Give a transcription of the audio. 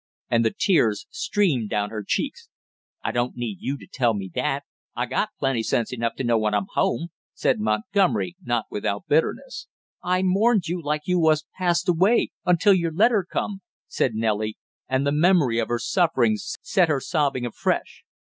And the tears streamed down her cheeks. "I don't need you to tell me that I got plenty sense enough to know when I'm home!" said Montgomery, not without bitterness. "I mourned you like you was passed away, until your letter come!" said Nellie, and the memory of her sufferings set her sobbing afresh.